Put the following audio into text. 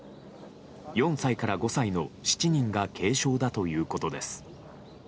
４歳から５歳の７人が軽傷だということです。